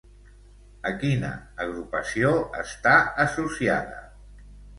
A quina agrupació està associada?